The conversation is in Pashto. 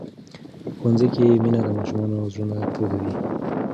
په ښوونځي کې مینه د ماشومانو زړونه تودوي.